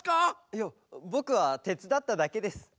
いやぼくはてつだっただけです。